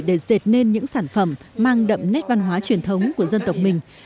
để dệt nên những sản phẩm mang đậm nét văn hóa truyền thống của dân tộc mình